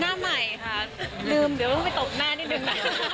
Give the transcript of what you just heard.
หน้าใหม่ฮะลืมเดี๋ยวให้ไปตบแม่นิดนึง